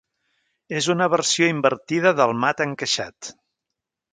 És una versió invertida del mat encaixat.